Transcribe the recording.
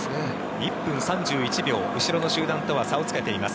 １分３１秒後ろの集団とは差をつけています。